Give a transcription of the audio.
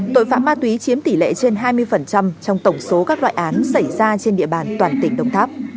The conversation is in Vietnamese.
tội phạm ma túy chiếm tỷ lệ trên hai mươi trong tổng số các loại án xảy ra trên địa bàn toàn tỉnh đồng tháp